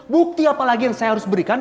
bukti apa lagi yang saya harus berikan